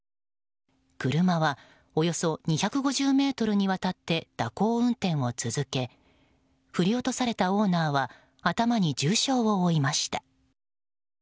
車はおよそ２５０ｍにわたって蛇行運転を続け振り落とされたオーナーは頭に重傷を負いました。